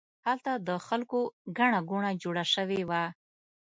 هلته د خلکو ګڼه ګوڼه جوړه شوې وه.